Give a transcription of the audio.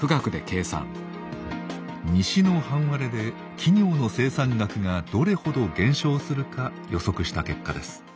西の半割れで企業の生産額がどれほど減少するか予測した結果です。